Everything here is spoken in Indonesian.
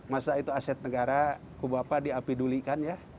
masa itu aset negara kubapa diapidulikan ya